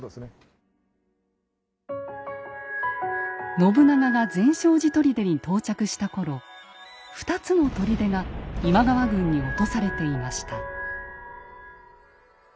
信長が善照寺砦に到着した頃２つの砦が今川軍に落とされていました。